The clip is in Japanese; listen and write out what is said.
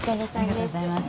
ありがとうございます。